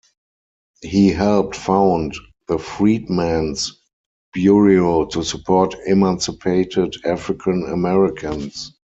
He helped found the Freedmen's Bureau to support emancipated African Americans.